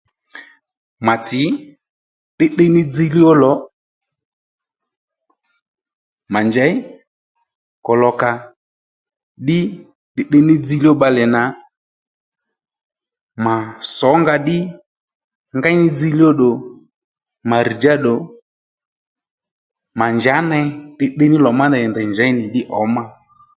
Mà tsǐ tdiytdiy ní dziylíy ó lò mà njěy kòlòkà ddí tdiytdiy ní dziylíy ó bbalè nà mà sǒ nga ddí ngéy ní dziylíy óddù mà rr̀dja óddù mà njǎ ney tdiytdiy ní lò má ndèy nì ndèy njěy nì ddí ǒmá